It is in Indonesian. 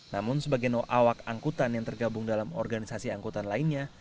namun sebagian awak angkutan yang tergabung dalam organisasi angkutan lainnya